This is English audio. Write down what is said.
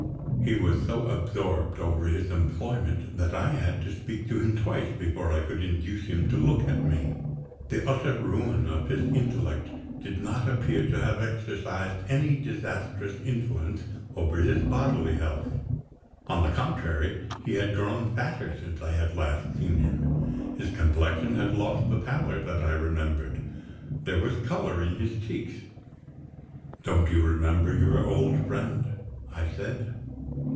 He was so absorbed over his employment that I had to speak to him twice, before I could induce him to look at me. The utter ruin of his intellect did not appear to have exercised any disastrous influence over his bodily health. On the contrary, he had grown fatter since I had last seen him; his complexion had lost the pallor that I remembered there was color in his cheeks. "Don't you remember your old friend?" I said.